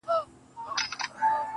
ما په سهار لس رکاته کړي وي.